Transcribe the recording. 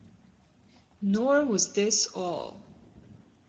Nor was this all.